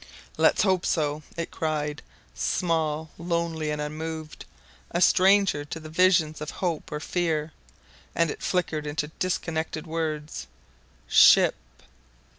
"Let's hope so!" it cried small, lonely and unmoved, a stranger to the visions of hope or fear; and it flickered into disconnected words: "Ship.